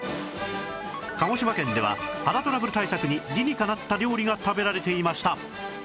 鹿児島県では肌トラブル対策に理にかなった料理が食べられていました